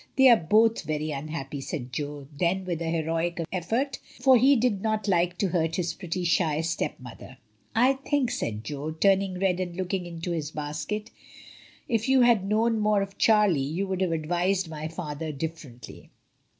"They are both very unhappy," said Jo; then, with a heroic efibrt, for he did not like to hurt his pretty, shy stepmother, "I think," said Jo, turning red and looking into his basket, "if you had known more of Charlie you would have advised my father differently."